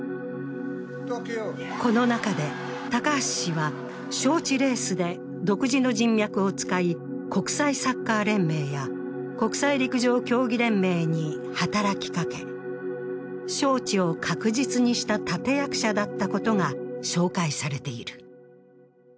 この中で、高橋氏は招致レースで独自の人脈を使い国際サッカー連盟や国際陸上競技連盟に働きかけ招致を確実にした立役者だったことが紹介されている。